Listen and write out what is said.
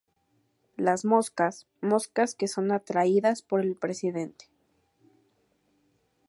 Las Moscas: Moscas que son atraídas por el Presidente.